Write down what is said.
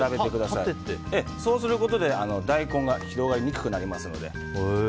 そうすることで大根が広がりにくくなりますので。